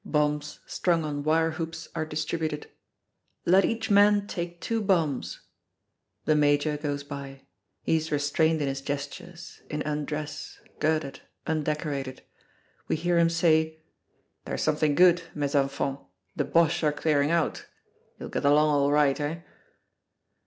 Bombs strung on wire hoops are distributed "Let each man take two bombs!" The major goes by. He is restrained in his gestures, in undress, girded, undecorated. We hear him say, "There's something good, mes enfants, the Boches are clearing out. You'll get along all right, eh?"